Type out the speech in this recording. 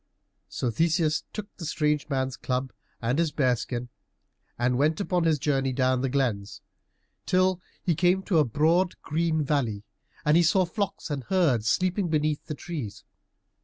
So Theseus took the strange man's club and his bear skin and went upon his journey down the glens, till he came to a broad green valley, and he saw flocks and herds sleeping beneath the trees.